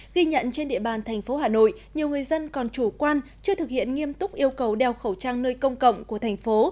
ghi nhận trên địa bàn thành phố hà nội nhiều người dân còn chủ quan chưa thực hiện nghiêm túc yêu cầu đeo khẩu trang nơi công cộng của thành phố